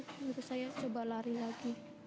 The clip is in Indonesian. terus saya coba lari lagi